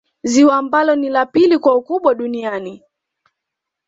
Ziwa ambalo ni la pili kwa ukubwa duniani